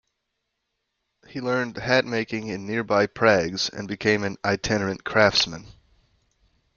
He learned hat making in nearby Prags and became an itinerant craftsman.